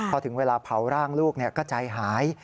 พอถึงเวลาเผาร่างลูกก็ใจหาย